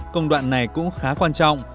công đoạn này cũng khá quan trọng